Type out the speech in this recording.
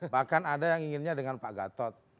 bahkan ada yang inginnya dengan pak gatot